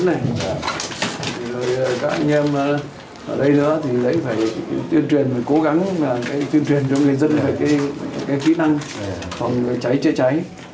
phải cố gắng tuyên truyền cho người dân về cái kỹ năng phòng cháy chữa cháy